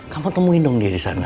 kamu temuin dong dia disana